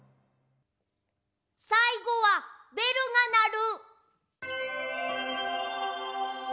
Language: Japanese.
さいごは「べるがなる」。